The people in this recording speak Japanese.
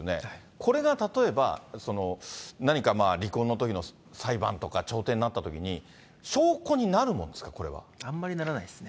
これが例えば、何か離婚のときの裁判とか調停になったときに、証拠になるものであんまりならないですね。